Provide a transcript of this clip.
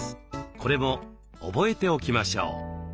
これも覚えておきましょう。